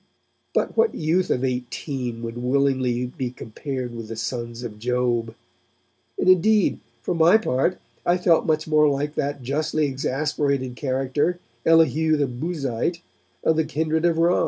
But what youth of eighteen would willingly be compared with the sons of Job? And indeed, for my part, I felt much more like that justly exasperated character, Elihu the Buzite, of the kindred of Ram.